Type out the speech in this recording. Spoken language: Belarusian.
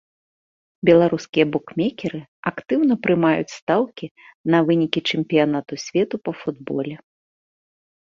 Беларускія букмекеры актыўна прымаюць стаўкі на вынікі чэмпіянату свету па футболе.